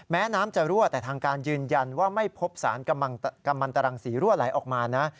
แม้น้ำจะรั่วแต่ทางการยืนยันว่าไม่พบสารกำลังตรังสีรั่วไหลออกมานะ